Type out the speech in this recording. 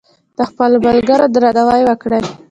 د خپلو ملګرو درناوی وکړئ.